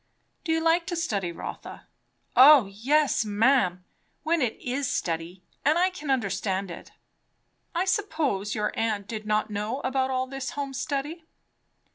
"Do you like to study, Rotha?" "O yes, ma'am! when it is study, and I can understand it." "I suppose your aunt did not know about all this home study?"